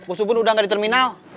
enggak bos bubun udah gak di terminal